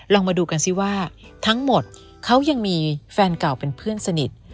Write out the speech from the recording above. ลองมาดูกันสิว่าทั้งหมดเขายังมีแฟนเก่าเป็นเพื่อนสนิท